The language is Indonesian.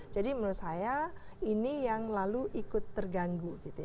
jadi menurut saya ini yang lalu ikut terganggu